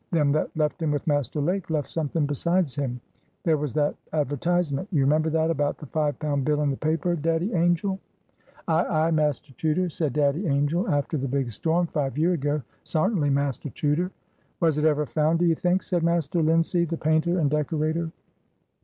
Them that left him with Master Lake left something besides him. There was that advertisement,—you remember that about the five pound bill in the paper, Daddy Angel?" "Ay, ay, Master Chuter," said Daddy Angel; "after the big storm, five year ago. Sartinly, Master Chuter." "Was it ever found, do ye think?" said Master Linseed, the painter and decorator.